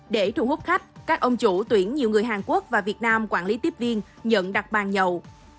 để thu hút khách các ông chủ tuyển nhiều người hàn quốc và việt nam quản lý tiếp viên nhận đặt bàn nhậu